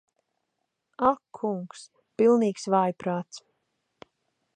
Ak kungs. Pilnīgs vājprāts.